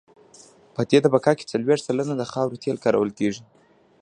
په دې طبقه کې څلویښت سلنه د خاورو تیل کارول کیږي